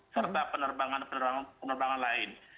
serta penerbangan penerbangan lain